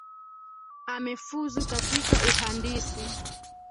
Amefuzu katika uhandisi